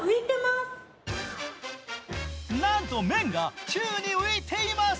なんと、麺が宙に浮いています！